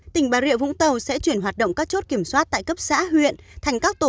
tỉnh bà rịa vũng tàu sẽ chuyển hoạt động các chốt kiểm soát tại cấp xã huyện thành các tổ